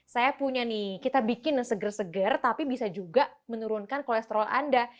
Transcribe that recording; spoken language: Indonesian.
saya punya nih kita bikin yang seger seger tapi bisa juga menurunkan kolesterol anda